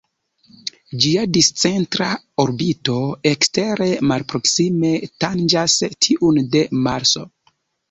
Ĝia discentra orbito ekstere malproksime tanĝas tiun de Marso.